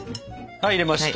はい入れました。